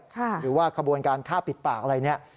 หรือว่าขบวนการฆ่าปิดปากอะไรเนี่ย